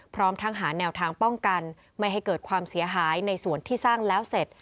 พร้อมทั้งหาแนวทางป้องกันไม่ให้เกิดความเสียหายในส่วนที่สร้างแล้วเสร็จ